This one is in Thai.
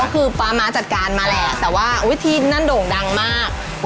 ก็คือป๊าม้าจัดการมาแหละแต่ว่าวิธีนั่นโด่งดังมาก